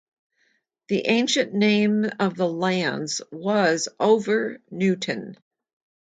The ancient name of the lands was Over Newton.